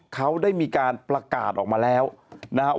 เขาได้มีการประกาศออกมาแล้วนะครับ